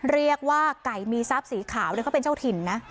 เรียกว่าไก่มีทรัพย์สีขาวเขาเป็นเจ้าถิ่นนะ